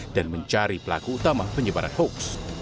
dan mencari pelaku utama penyebaran hoax